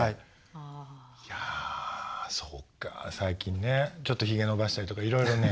いやそっか最近ねちょっとひげ伸ばしたりとかいろいろね。